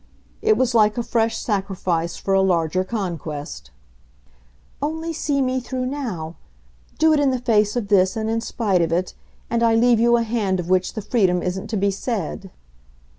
It was like a fresh sacrifice for a larger conquest "Only see me through now, do it in the face of this and in spite of it, and I leave you a hand of which the freedom isn't to be said!"